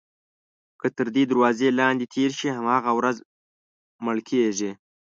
که تر دې دروازې لاندې تېر شي هماغه ورځ مړ کېږي.